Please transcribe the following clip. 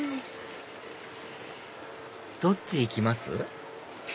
どっちへ行きます？